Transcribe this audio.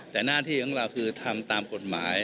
แต่หน้าที่ของเราคือทำตามกฎหมาย